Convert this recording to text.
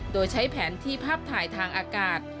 โดยใช้แผนที่ภาพถ่ายทางอากาศ